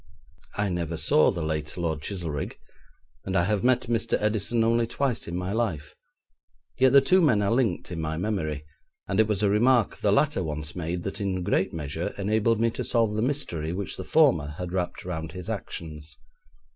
I never saw the late Lord Chizelrigg, and I have met Mr. Edison only twice in my life, yet the two men are linked in my memory, and it was a remark the latter once made that in great measure enabled me to solve the mystery which the former had wrapped round his actions.